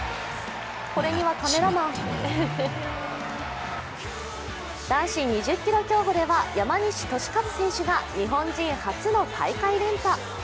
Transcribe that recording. これにはカメラマン男子２０ｋｍ競歩では山西利和選手が日本人初の大会連覇。